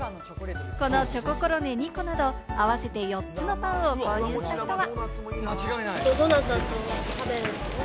このチョココロネ２個など、合わせて４つのパンを購入した人は。